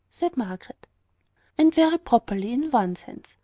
said Margaret. "And very properly, in one sense.